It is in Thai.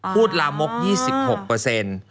ลามก๒๖เปอร์เซ็นต์